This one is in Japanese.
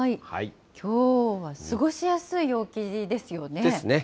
きょうも過ごしやすい陽気ですよね。ですね。